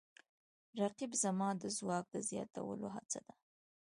رقیب زما د ځواک د زیاتولو هڅه ده